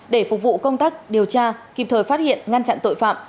để phục vụ công tác điều tra kịp thời phát hiện ngăn chặn tội phạm